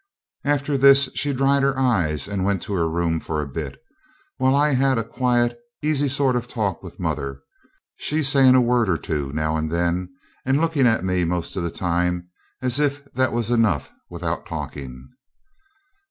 After this she dried her eyes and went to her room for a bit, while I had a quiet, easy sort of talk with mother, she saying a word or two now and then, and looking at me most of the time, as if that was enough without talking.